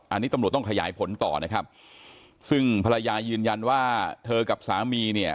อันนี้ตำรวจต้องขยายผลต่อนะครับซึ่งภรรยายืนยันว่าเธอกับสามีเนี่ย